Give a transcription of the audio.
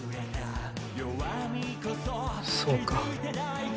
そうか。